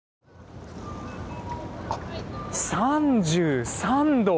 ３３度。